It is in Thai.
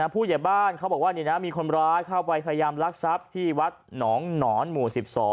ผู้ใหญ่บ้านเขาบอกว่ามีคนร้ายเข้าไปพยายามลักทรัพย์ที่วัดหนองหนอนหมู่๑๒